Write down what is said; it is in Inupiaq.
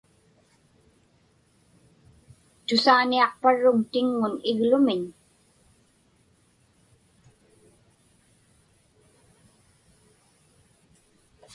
Tusaaniaqparruŋ tiŋŋun iglumiñ?